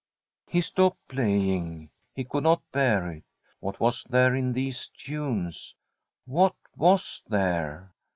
He stopped playing; he could not bear it. What was there in these tunes — what was there